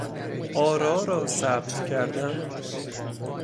آرا را ثبت کردن